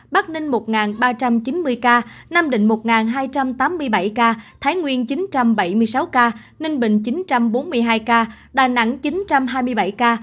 bắc ninh một ba trăm chín mươi ca nam định một hai trăm tám mươi bảy ca thái nguyên chín trăm bảy mươi sáu ca ninh bình chín trăm bốn mươi hai ca đà nẵng chín trăm hai mươi bảy ca